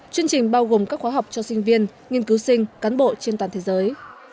chương trình bao gồm các khóa học cho sinh viên nghiên cứu sinh cán bộ trên toàn thế giới